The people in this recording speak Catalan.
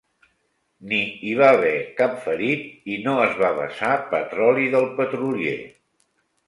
Ni hi va haver cap ferit i no es va vessar petroli del petrolier.